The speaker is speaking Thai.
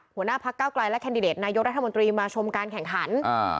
หัวหน้าพักเก้าไกลและแคนดิเดตนายกรัฐมนตรีมาชมการแข่งขัน